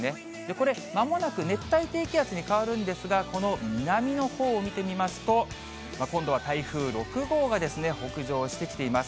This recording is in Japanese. これ、まもなく熱帯低気圧に変わるんですが、この南のほうを見てみますと、今度は台風６号が北上してきています。